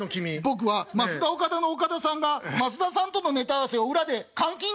「僕はますだおかだの岡田さんが増田さんとのネタ合わせを裏で『監禁』と言ってることしか知りません」。